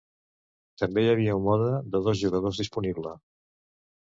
També hi havia un mode de dos jugadors disponible.